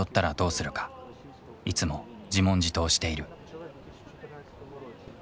いつも自問自答している。